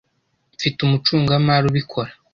Mfite umucungamari ubikora.